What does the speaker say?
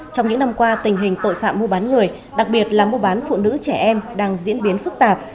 trong những năm qua tình hình tội phạm mua bán người đặc biệt là mua bán phụ nữ trẻ em đang diễn biến phức tạp